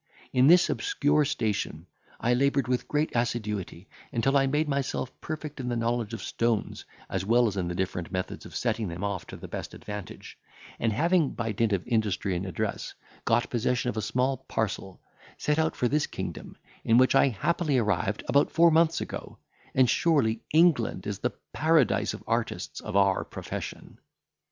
In this obscure station, I laboured with great assiduity, until I made myself perfect in the knowledge of stones, as well as in the different methods of setting them off to the best advantage; and having, by dint of industry and address, got possession of a small parcel, set out for this kingdom, in which I happily arrived about four months ago; and surely England is the paradise of artists of our profession.